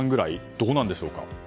どうなんでしょうか？